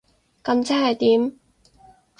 噉即係點？